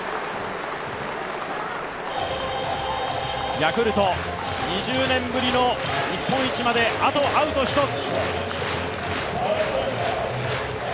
ヤクルト、２０年ぶりの日本一まであとアウト１つ。